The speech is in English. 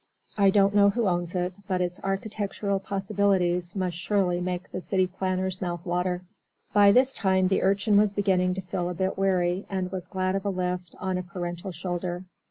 I don't know who owns it, but its architectural possibilities must surely make the city planner's mouth water. By this time the Urchin was beginning to feel a bit weary, and was glad of a lift on a parental shoulder.